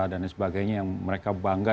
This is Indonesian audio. dan lain sebagainya yang mereka bangga